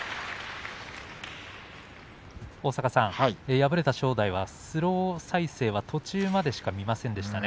敗れた正代はスロー再生は途中までしか見ませんでしたね。